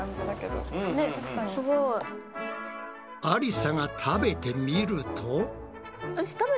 ありさが食べてみると。